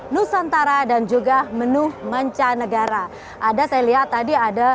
nusantara dan juga menu mancanegara ada saya lihat tadi ada mbak somalang kemudian tim bkm yang lainnya